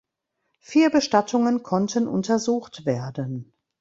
Vier Bestattungen konnten untersucht werden.